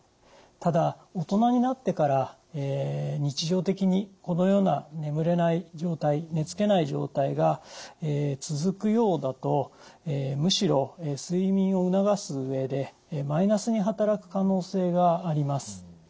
ただ大人になってから日常的にこのような眠れない状態寝つけない状態が続くようだとむしろ睡眠を促す上でマイナスに働く可能性があります。